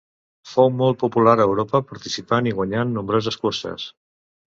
Fou molt popular a Europa participant i guanyant nombroses curses.